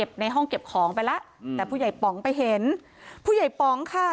ในห้องเก็บของไปแล้วอืมแต่ผู้ใหญ่ป๋องไปเห็นผู้ใหญ่ป๋องค่ะ